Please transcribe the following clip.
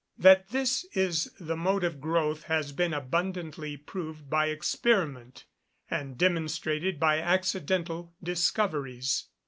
That this is the mode of growth has been abundantly proved by experiment, and demonstrated by accidental discoveries.